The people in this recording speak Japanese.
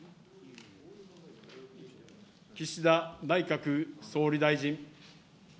岸田内閣総理大臣。